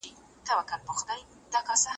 دا ویده پښتون له خوبه پاڅومه